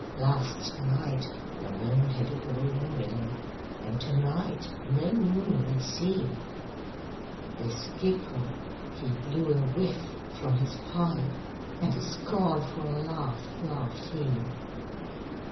'Last night, the moon had a golden ring, And to night no moon we see!' The skipper, he blew a whiff from his pipe, And a scornful laugh laughed he.